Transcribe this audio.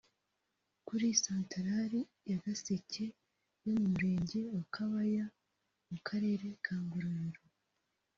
Kuri Santarari ya Gaseke yo mu Murenge wa Kabaya mu Karere ka Ngororero